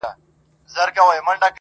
یو چا سپی ښخ کړئ دئ په هدیره کي,